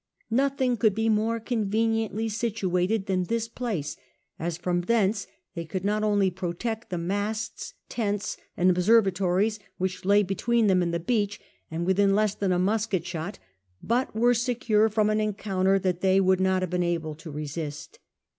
Nothing couhl be more conveniently situated than this place ; as from thence they could not only protect the masts, tents, and observa tories, which lay between them fuid the beach and within less than a musket shot, but were secure from an encounter that they would not have been able to resist.